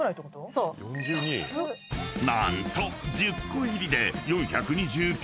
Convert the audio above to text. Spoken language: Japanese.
［何と１０個入りで４２９円］